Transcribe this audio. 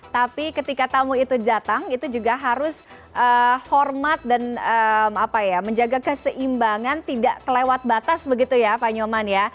tapi ketika tamu itu datang itu juga harus hormat dan menjaga keseimbangan tidak kelewat batas begitu ya pak nyoman ya